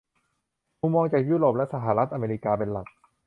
มุมมองจากยุโรปและสหรัฐอเมริกาเป็นหลัก